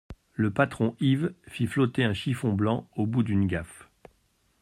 Le patron Yves fit flotter un chiffon blanc au bout d'une gaffe.